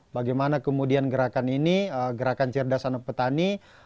bagaimana kemudian gerakan ini gerakan cerdasan petani